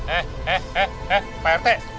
eh eh eh pak rt